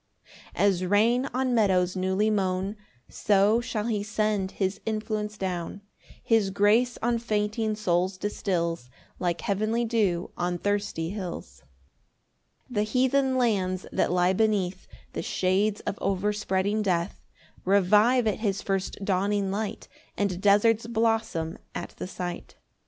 4 As rain on meadows newly mown So shall he send his influence down; His grace on fainting souls distils Like heavenly dew on thirsty hills. 5 The heathen lands that lie beneath The shades of overspreading death, Revive at his first dawning light, And deserts blossom at the sight.